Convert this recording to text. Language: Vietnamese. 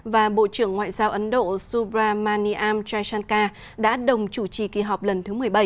và bộ trưởng ngoại giao ấn độ subramaniam jaishankar đã đồng chủ trì kỳ họp lần thứ một mươi bảy